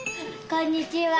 こんにちは。